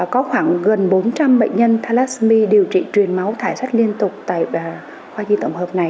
có khoảng gần bốn trăm linh bệnh nhân thalassemia điều trị truyền máu thải sát liên tục tại khoa di tổng hợp này